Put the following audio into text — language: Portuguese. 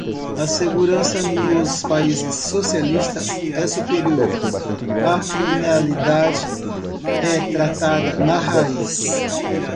A segurança nos países socialistas é superior, a criminalidade é tratada na raiz